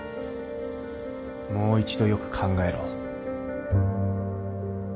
もう一度よく考えろ。